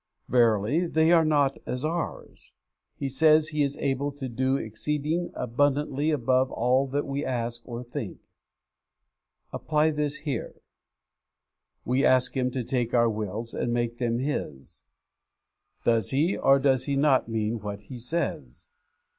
Verily, they are not as ours! He says He is able to do exceeding abundantly above all that we ask or think. Apply this here. We ask Him to take our wills and make them His. Does He or does He not mean what He says?